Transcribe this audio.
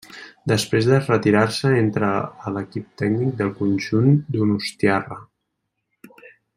Després de retirar-se entra a l'equip tècnic del conjunt donostiarra.